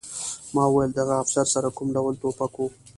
ما وویل د هغه افسر سره کوم ډول ټوپک و